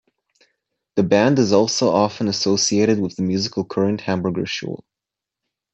The band is also often associated with the musical current Hamburger Schule.